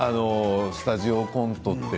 スタジオコントって